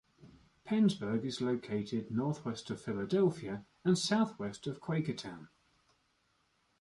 Pennsburg is located northwest of Philadelphia and southwest of Quakertown.